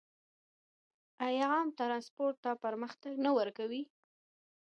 آیا عام ټرانسپورټ ته پراختیا نه ورکوي؟